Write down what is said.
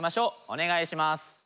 お願いします。